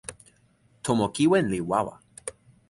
tomo kiwen li wawa.